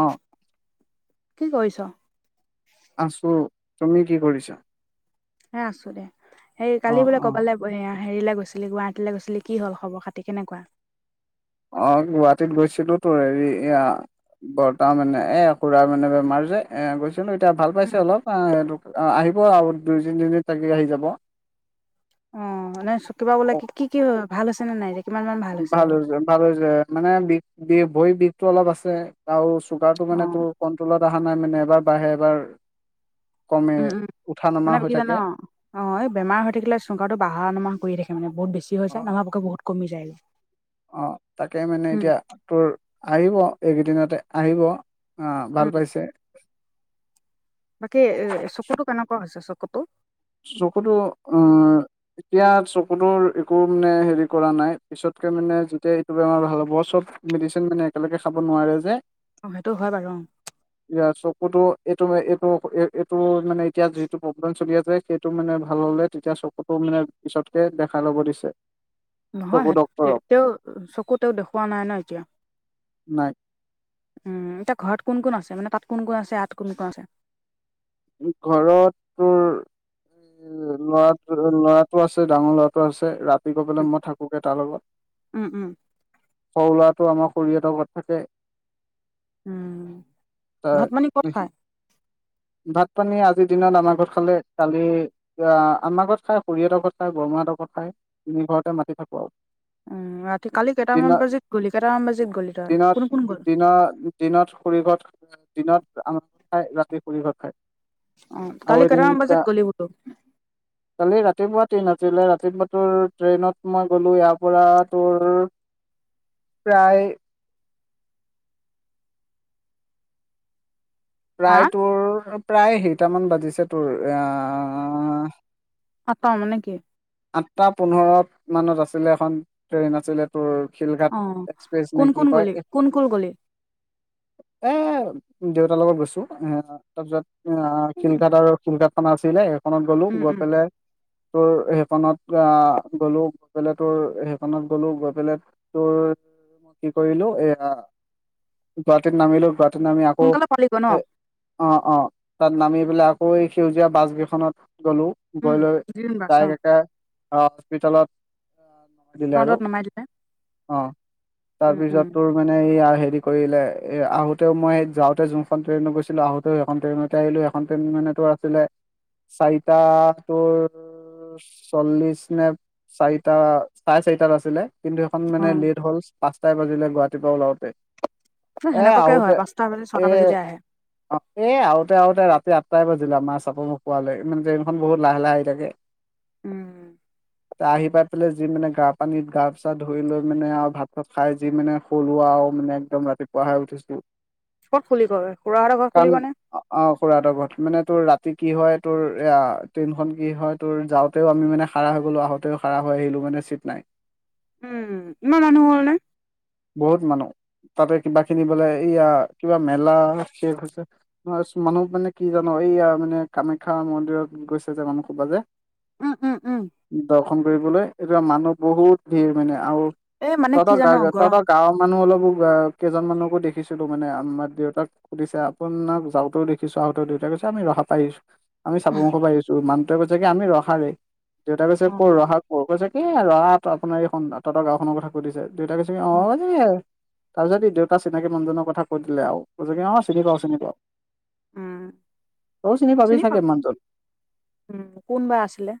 অ কি কৰিছ। আছো তুমি কি কৰিছা। এ আছো দে হেই অ কালি বোলে। অ ক'বাললে এ হেৰিলে গৈছিলি গুৱাহাটীলে গৈছিলি কি হল খবৰ খাতি কেনেকুৱা। অ গুৱাহাটীত গৈছিলোটো হেৰি এইয়া। বৰ্তা মানে এ খুুৰাৰ মানে বেমাৰ যে এ গৈছিলো এতিয়া ভাল পাইছে উম। অলপ আহ এইটো। অ আহিব আৰু দুই তিনিদিন থাকি আহি যাব। অ হলে চুটি পাবলে অ কি কি হয় ভাল হৈছে নে নাই। কিমান মান ভাল বাৰু? হৈছে ভাল হৈছে মানে বিষ বি ভৰি বিষটো অলপ আছে। আৰু চুগাৰটো মানে অ' তোৰ কন্ট্ৰলত অহা নাই মানে এবাৰ বাঢ়ে এবাৰ কমে উম উম উঠা নমা মানে হৈ কি জান? থাকে। অ এই বেমাৰ হৈ থাকিলে সুগাৰ্টো বাহা নমা কৰি থাকে মানে বহুত বেছি হৈছে অ য নহবা বহুত কমি যায়। অ তাকে মানে এতিয়া তোৰ আহিব এইকেইদিনতে আহিব। অ উম। ভাল পাইছে। বাকী এ চকুটো কেনেকুৱা হৈছে চকুটো চকুতো অ এতিয়া চকুটোৰ একো মানে হেৰি কৰা নাই। পিছতকে মানে যেতিয়া এইটো বেমাৰ ভাল হ'ব চব মেডিচিন মানে একেলগে খাব নোৱাৰে যে। অ সেইটো হয় বাৰু অ ই চকুতো এইটো এইটো এইটো মানে এতিয়া যিটো প্ৰব্লেম চলি আছে। সেইটো মানে ভাল হলে তেতিয়া চকুটো মানে পিছতকে দেখাই ল'ব দিছে। চকু নহয় তে ডক্তৰক তেওঁ চকু তেওঁ দেখুওৱা নাই ন এতিয়া। নাই উম এতিয়া ঘৰত কোন কোন আছে মানে তাত কোন কোন আছে ইয়াত কোন কোন আছে। ঘৰত তোৰ। উ ল'ৰা ল'ৰাটো আছে ডাঙৰ ল'ৰাটো আছে ৰাতি। মই থাকোগে তাৰ লগত উম, উম। সৰু ল'ৰাটো আমাৰ খুৰিহঁতৰ ঘৰত থাকে উম ভাত পানি ক'ত তাৰ খায়? ভাত পানী আজিৰ দিনত আমাৰ ঘৰত খালে কালি আমাৰ ঘৰত খাই খুৰিহঁতৰ ঘৰত খাই বৰমাহঁতৰ ঘৰত খাই তিনি ঘৰতে মাতি থাকো আৰু। উম, ৰাতি কালি কেইটামান দিনত বাজিত গ'লি কেইটামান বাজিত গ'লি তই কোন কোন গ'ল? ন দিনত খুৰি ঘৰত দিনত আমাৰ খাই ৰাতি খুৰি ঘৰত খায়। অ', কালি কেইটা মান বজাত গলি বোলো? কালি ৰাতিপুৱা ট্ৰেইন আছিলে ৰাতিপুৱা তোৰ ট্ৰেইনত মই গ'লো ইয়াৰ পৰা তোৰ [inaudible] প্ৰায় হা প্ৰায় তোৰ প্ৰায় সেইটামান বাজিছে তোৰ আহ পাত মানে কি? আঠটা পোন্ধৰ মানত আছিলে এখন ট্ৰেইন আছিলে তোৰ অ শিলঘাট এক্সপ্ৰেছ কোন নে কোন কি গ'লি কয়। কোন কোন গ'লি এ দেউতাৰ লগত গৈছো এ তাৰপিছত অ উম শিলঘাট আৰু শিলঘাট খন আছিলে সেইখনত গ'লো গৈ উম পেলাই তোৰ সেইখনত গ'লো গৈ পেলাই তোৰ সেইখনত গ'লো গৈ পেলাই তোৰ কি কৰিলো এয়া গুৱাহাটীত নামিলো গুৱাহাটীত নামি আকৌ সোনকালে পালিগৈ ন এ অ', অ', তাত নামি পেলাই আকৌ এই সেউজীয়া বাছ গেইখনত গলো। উম গৈ লৈ গ্ৰীণ বাছ অ তাইক একে হস্পিতালত দিলে আৰু ফ্ৰণ্টত নমাই দিলে অ', উম উম তাৰপিছত তোৰ মানে ই হেৰি কৰিলে এ আহোতেও মই যাওঁতে যোনখন ট্ৰেইনত গৈছিলো আহোতে সেইখন ট্ৰেইনতে আহিলো সেইখন ট্ৰেইন মানে তোৰ আছিলে চাৰিটা তোৰ চল্লিশ নে চাৰিটা চাৰে চাৰিটাত আছিলে কিন্তু সেইখন অ মানে লেট হ'ল পাঁচটাই বাজিলে গুৱাহাটীৰ পৰা ওলাওঁতে। সেনেকুৱাকে হয় পাঁচটা বাজি ছটা এ বাজিতে আহে। অ', এ আহোতে আহোতে ৰাতি আঠটাই বজিলে আমাৰ চাপৰ মুখ পোৱালৈ মানে ট্ৰেইনখন বহুত লাহে লাহে আহি থাকে। উম। এ আহি পাই পেলাই যি মানে গা পানীত গা চা ধুই লৈ মানে আৰু ভাত চাত খাই যি মানে শুলো আৰু মানে একদম ৰাতিপুৱা হে উঠিছো। ক'ত শুলি গৈ খুৰাহঁতৰ ঘৰত কাৰণ শুলি গৈ নে? অ', খুৰাহঁতৰ ঘৰত মানে তোৰ ৰাতি কি হয় তোৰ এ ট্ৰেইনখনন কি হয় তোৰ যাওঁ তেঁও আমি মানে খাৰা হৈ গলো আহঁতেও খাৰা হৈ আহিলো মনে চিট নাই। উম, ইমান মানুহ হল নে? বহুত মানুহ। তাতে কিবা খিনি বোলে এইয়া কিবা মেলা শেষ হৈছে। মানুহ মানে কি জানো এইয়া মানে কামাখ্যা মন্দিৰত গৈছে যে মানুহ সোপা যে উম, উম, উম। দৰ্শন কৰিবলৈ এতিয়া মানুহ বহুত ভিৰ মানে আৰু এই মানে কি তহঁতৰ জান গা গৰম তহঁতৰ গাঁৱৰ মানুহ অলপো কেইজনমানকো দেখিছিলো মানে আমাৰ দেউতাক সুধিছে আপোনাক যাওঁতেও দেখিছো আহোঁতেও দেউতাই কৈছে আমি ৰহাত আহিছোঁ আমি চাপৰ মুখৰ পা আহিছো মানুহোটোৱে কৈছে কি আমি ৰহাৰেই দেউতাই কৈছে অ কৰ ৰহাত কৰ কৈছে কি ৰহাত আপোনাৰ এইখন তহঁতৰ গাঁওখনৰ কথা কৈ দিছে দেউতাই কৈছে কি অ' তাৰ পিছত দেউতা চিনাকি মানুহজনৰ কথা কৈ দিলে আও কৈছে কি অ', চিনি পাওঁ চিনি পাওঁ। উম তও চিনি পাবি চাগে মানুহ জন। উম, কোনবা আছিলে।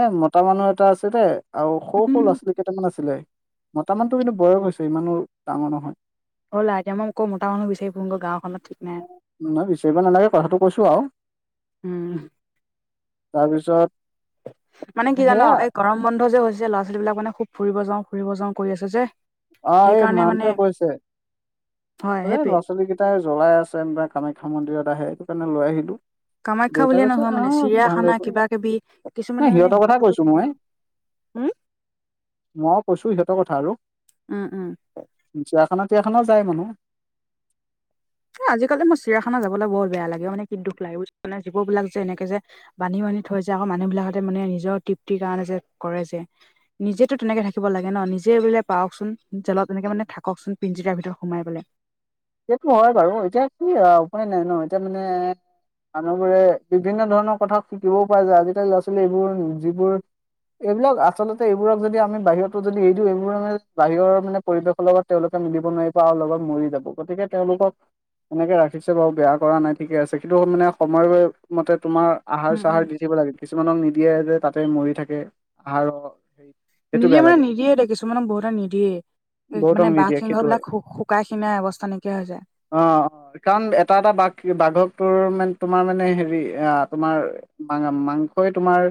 এ মতা মানুহ এটা আছিলে আৰু সৰু সৰু উম ল'ৰা ছোৱালী কেইটামান আছিলে। মতা মানুহটো কিন্তু বয়স হৈছে ইমানো ডাঙৰ নহয়। হল আৰু মই আকৌ কৰ মতা মানুহ বিচাৰি ফুন গৈ গাওখনত ঠিক নাই। নহয় বিচাৰিব নালাগে কথাটো কৈছো আৰু উম। তাৰপিছত মানে কি জান' সেয়া এই গৰম বন্ধ যে হৈছে ল'ৰা ছোৱালী বিলাক মানে খুব ফুৰিব যাওঁ ফুৰিব যাওঁ কৰি আছে যে অ এই সেইকাৰণে মানে মানটোৱে কৈছে হয় সেইটোৱে ল'ৰা ছোৱালী কেই টাই জ্বলাই আছে কামাখ্যা মন্দিৰত আহে সেইটো কাৰণে লৈ আহিলো। কামাখ্যা দেউতাই বুলিয়ে কৈছে নহয় মানে আহ ভালে চিৰিয়াখানা কৰিলি কিবা কিবি নাই কিছুমানে মানে সিহঁতৰ কথা হোটেলতো কৈছো থাকে ন। মই হম! মই কৈছো সিহঁৰ কথা আৰু উম উম। চিৰিয়াখানা টিৰিয়াখানা যায় মানুহ। আজিকালি মই চিৰাখানা যাবলৈ বৰ বেয়া লাগে মানে কি দুখ লাগে বুজিছানে জীৱ বিলাক যে এনেকে যে বান্ধি বান্ধি থৈছে আকৌ মানুহ বিলাকতে মানে নিজৰ তৃপ্তিৰ কাৰণে যে কৰে যে নিজেতো তেনেকে থাকিব লাগে ন নিজে বোলে পাওকচোন জেলত এনেকে মানে থাককচোন পিনজিৰাৰ ভিতৰত সোমাই পেলাই। সেইটো হয় বাৰু এতিয়া কি উপায় নাই ন এতিয়া মানে মানুহবোৰে বিভিন্ন ধৰণৰ কথা শিকিবও পাই যায় আজিকালি ল'ৰা ছোৱালী এইবোৰ যিবোৰ এইবিলাক আচলতে এইবোৰক যদি আমি বাহিৰতো যদি এৰি দিও এইবোৰ মানে বাহিৰৰ মানে পৰিৱেশৰ লগত তেওঁলোকে মিলিব নোৱাৰিব আৰু লগত মৰি যাব। গতিকে তেওঁলোকক এনেকে ৰাখিছে বাৰু বেয়া কৰা নাই ঠিকে আছে কিন্তু মানে সময় মতে তোমাৰ আহাৰ উম উম চাহাৰ দি থিব লাগে। কিছুমানক নিদিয়ে যে তাতে মৰি থাকে আহাৰৰ হেৰিত। নিদিয়ে মানে নিদিয়ে দে কিছুমানক বহুতে নিদিয়ে মানে বহুতক নিদিয়ে বাঘসিংহ সেইটো বিলাক হয় শুকাই খিনাই অৱস্থা নাইকিয়া হৈ যায়। অ অ কাৰণ এটা এটা বাঘ বাঘক তোৰ মানে তোমাৰ মানে হেৰি অ তোমাৰ মা মাংসই তোমাৰ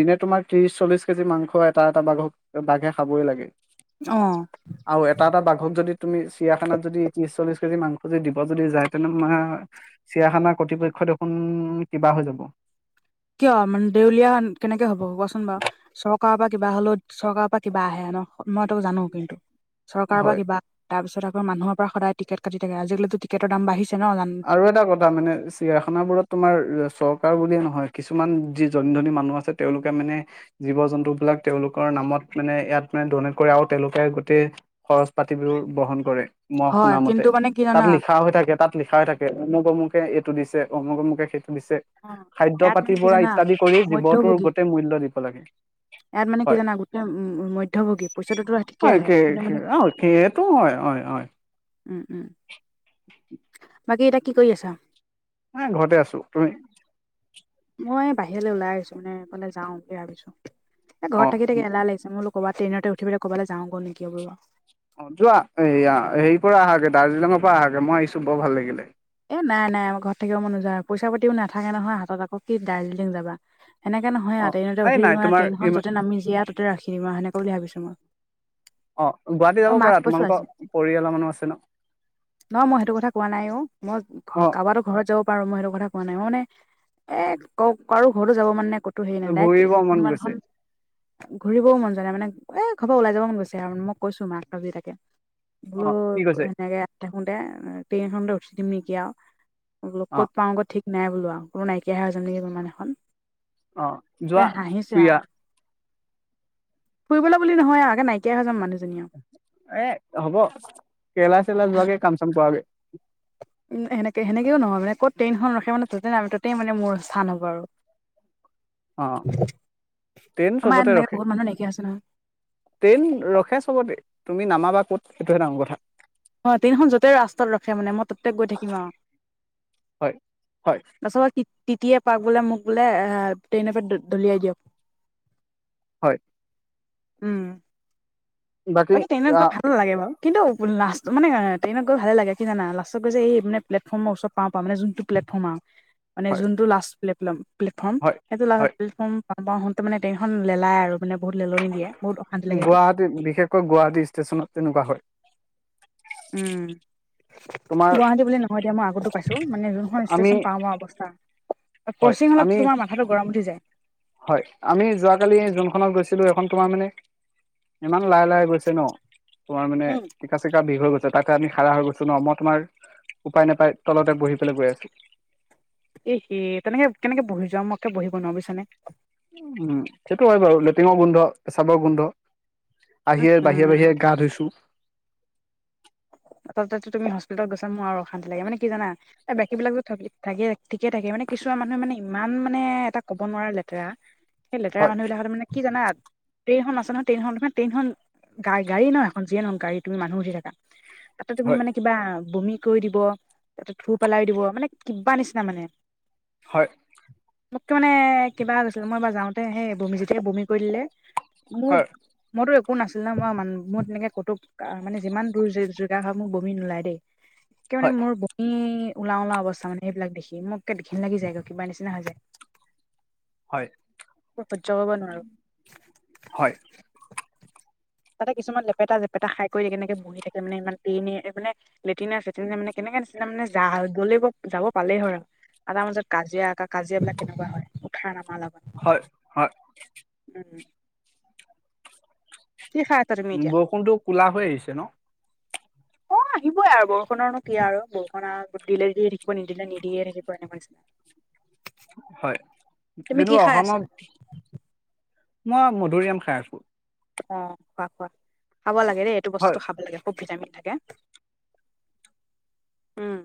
দিনে তোমাৰ ত্ৰিশ চল্লিশ কেজি মাংস এটা এটা বাঘক বাঘে খাবই লাগে। অ। আৰু এটা এটা বাঘক যদি তুমি চিৰিয়াখানাত যদি ত্ৰিশ চল্লিশ কেজি মাংস যদি দিব যদি যায় তেনে মা চিৰিয়াখানা কৰ্তৃপক্ষ দেখোন কিবা হৈ যাব। কিয় মানে দেউলীয়া কেনেকে হ'ব কোৱাচোন বাৰু চ ৰকাৰৰ পৰা কিবা হ'লেও চৰকাৰৰ পৰা কিবা আহে ন মই তোক জানো কিন্তু চৰকাৰৰ হয় পৰা কিবা তাৰ পিছত আকৌ মানুহৰ পৰা সদায় টিকট কাটি থাকে আজিকালিটো টিকটৰ দাম বাঢিছে ন আৰু এটা কথা মানে চিৰিয়াখানা বোৰত তোমাৰ চৰকাৰ বুলিয়ে নহয় কিছুমান যি ধনী ধনী মানুহ আছে তেওঁলোকে মানে জীৱ জন্তু বিলাক তেওঁলোকৰ নামত মানে ইয়াত মানে ডনেট কৰে আৰু তেওঁলোকে গোটেই খৰচ পাতিবোৰ বহন কৰে মই শুনা হয় মতে কিন্তু মানে কি তাত জানা লিখা হৈ থাকে তাত লিখা থাকে অমক অমুকে এইটো দিছে অমক অমুকে সেইটো দিছে অ খাদ্য ইয়াত মানে পাতি কি পৰা জানা ইত্যাদি কৰি জীৱটোৰ মধ্যভোগী গোটেই মূল্য দিব লাগে। ইয়াত মানে কি হয় জানা গোটেই উ মধ্যভোগী পইচাটোতো ঠিকে হয় আহে কিন্তু মানে সেইটো হয় হয় হয় উম উম। [unintelligible] বাকী এতিয়া কি কৰি আছ। [inaudible] ঘৰতে আছো তুমি। মই বাহিৰলৈ ওলাই আহিছো উম ইফালে যাওঁ বুলি ভাবিছো এ ঘৰত থাকি অ থাকি এলাহ লাগিছে মোলো। ক'বাত ট্ৰেনতে উঠি ক'বালে যাওঁ গ নেকি ব। অ যোৱা এয়া হেৰি পৰা অহাকে দাৰ্জিলিঙৰ পৰা আহাগে মই আহিছো বৰ ভাল লাগিলে। এ নাই নাই আমাৰ ঘৰত থাকিব মনোযায় পইচা পাতিও নাথাকে নহয় হাতত আকৌ কি দাৰ্জিলিং যাবা। সেনেকে নহয় অ আৰ ট্ৰেইনতে এই উঠি নাই দিলো আৰু তোমাৰ ট্ৰেইনখন ইমান যতে নামি যিয়া ততে ৰাখি দিব সেনেকা বুলি ভাবিছো মই। অ গুৱাহাটী অ যাব মাক পাৰা কৈছো তোমালোকৰ আজি পৰিয়ালৰ মানুহ আছ। নহয় মই সেইটো কথা কোৱা নাইও মই ঘৰ অ কা। যোৱাটো ঘৰত যাব পাৰো মই সেইটো কথা কোৱা নাই ম মানে এ ক কাৰো ঘৰতো যাব মানে কত। তোৰ হেৰি নাই ঘূৰিব [unintelligible] মন কোনোবা গৈছে এখন। ঘুৰিবও মন যোৱা নাই মানে এ ঘৰৰ পৰা ওলাই যাব মন গৈছে আৰু মই কৈছো মাক আজি তাকে। বোলো অ কি কৈছে এনেকে থাকোতে ট্ৰেইন খণতে উঠি দিম নেকি আৰু। মই বোলো অ ক'ত পাওঁ ক'ত ঠিক নাই বোলো আৰু কোনো নাইকিয়াহে হৈ যাম নেকি কোনোবা দিনাখন। অ এ যোৱা হাঁহিছা ফুৰি আও। ফুৰিবলে বুলি নহয় আগে নাইকিয়ায় হৈ যাম মানুহজনী আৰু। এ হ'ব কেৰেলা চেৰেলা যোৱাগে কাম চাম কৰাগে। সেনেকে সেনেকেও নহয় মানে ক'ত ট্ৰেইনখন ৰখে মানে তাতে নামি তাতেই মানে মোৰ স্থান হব আৰু। অ ট্ৰেইন [inaudible] আমাৰ চবতে এনেকে ৰখে বহুত মানুহ নাইকিয়া হৈছে নহয়। ট্ৰেইন ৰখে সবতে তুমি নামাবা ক'ত সেইটোহে ডাঙৰ কথা। অ ট্ৰেনখন য'তেই ৰাস্তাত ৰখে মান মই ততে গৈ থাকিম আও। হয় হয়। [inaudible] তিয় তিতিয়ে পাক বোলে মোক বোলে ট্ৰেইনে পৰা দলিয়াই দিয়ক। হয়। উম বাকী ট্ৰেনত গৈ ভাল লাগে বাৰু কিন্তু লাষ্ট। মানে আ ট্ৰেইনত গৈ ভালে লাগে কি জানা লাষ্টত গৈ যে এই মানে প্লেটফৰ্মৰ ওচৰত পাওঁ পাওঁ মানে যোনটো প্লেটফৰ্ম আও। মানে হয় যোনটো লাষ্ট্ প্লেটপ্লম প্লেটফৰ্ম হয় সেইটো হয় লাষ্ট। প্লেটফৰ্ম পাওঁ পাওঁ হওতে মানে টেইনখন লেলাই আৰু মানে বহুত লেলনি দিয়ে বহুত অশান্তি লাগে সেইটো। তে বিশেষকৈ গুৱাহাটী ষ্টেচনত তেনেকুৱা হয়। উম। তোমাৰ গুৱাহাটী বুলি নহয় দিয়া মই আগতো পাইছো মানে যোনখন আমি ষ্টেচন পাওঁ পাওঁ অৱস্থা। আ হয় কৰ্চিং হলেতো আমি তোমাৰ মাথাটো গৰম উঠি যায়। হয় আমি যোৱাকালি যোনখনত গৈছিলো এইখন তোমাৰ মানে ইমান লাহে লাহ। গৈছে ন তোমাৰ মানে উম টিকা চিকা বিষ হৈ গৈছে তাতে আমি খাৰা হৈ গৈছো ন মই তোমাৰ। উপায় নাপাই তলতে বহি পেলাই গৈ আছোঁ। এ হে তেনেকে কেনেকে বহি যোৱা মোই একে বহিব নোৱাৰো বুজিছানে। উম সেইটো হয় বাৰু লেটিঙৰ গোন্ধ পচাবৰ গোন্ধ। আহিয়েই বাহিৰে উম বাহিৰে গা ধুইছো। তাতে টো তুমি হস্পিলত গৈছা মোৰ আৰু অশান্তি লাগে মানে কি জানা। এ বাকী বিলাক যে থাকে ঠিকে থাকে মানে কিছুমান মানুহে মানে ইমান মানে এটা ক'ব নোৱাৰা লেতেৰা। সেই লেতেৰা হয় মানুহ বিলাক মানে কি জানা। টেইনখন আছে নহয় ট্ৰেইনখন তোমাৰ ট্ৰেইনখন গা গাড়ী ন এখন যিয়ে নহক গাড়ী তুমি মানুহ উঠি থাকা। তাতে তুমি হয় মানে কিবা বমি কৰি দিব তাতে থু পেলাই দিব মানে কিবা নিচিনা মানে। হয়। মোককে মানে কিবা হৈ গৈছিলো। মই এইবাৰ যাওঁতে সেই বমি যেতিয়া বমি কৰি দিলে মোক হয় মইতো একো নাছিল না মই মান মোৰ তেনেকে ক'তো মানে যিমান দূৰ যে যত [unintelligible] বমি নোলায় দেই। একে মানে হয় মোৰ ব মি ওলাও ওলাও অৱস্থা মানে সেইিলাক দেখি মোক একে ঘিন লাগি যায়গৈ কিবা নিচিনা হৈ যায়। হয় সহ্য কৰিব নোৱাৰো হয় তাতে কিছুমান লেপেটা জেপেটা খাই কৰি কেনেকে বহি থাকে মানে এ মানে লেটিনে চেটিনে মানে কেনেকে নিচিনা মানে যা মোক যাব পালে হ'ল আৰু। আ তাৰ মাজত কাজিয়া কা কাজিয়া বিলাক কেনেকুৱা হয়, উঠা নমা লগত। হয় হয় উম। কি খা উম বৰষুণটো ক'লা কৰি আনিছে ন? [inaudible] অঁ আহিবই আৰু বৰষুণৰনো কি আৰু বৰষুণ আৰু দিলে দিয়ে থাকিব নিদিলে নিদিয়ে থাকিব এনেকুৱা হৈছে। [inaudible] হয়। কিন্তু খাই আছা? অসমত, মই মধুৰিআম খাই আছো। অ খোৱা খোৱা। খাব লাগে দেই এইটো হয় বস্তুটো খাব লাগে। খুব ভিটামিন থাকে। উম।